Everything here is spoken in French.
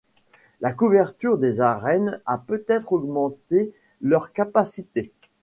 La couverture des arènes a peut-être augmenté leur capacité.